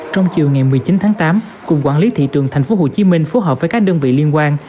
trong chiều ngày một mươi chín tháng tám cục quản lý thị trường tp hcm phối hợp với các đơn vị liên quan